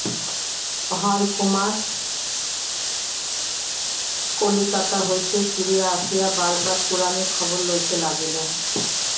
হরকুমার কলিকাতা হইতে ফিরিয়া আসিয়া বারবার কুড়ানির খবর লইতে লাগিলেন।